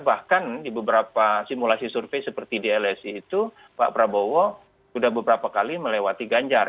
bahkan di beberapa simulasi survei seperti di lsi itu pak prabowo sudah beberapa kali melewati ganjar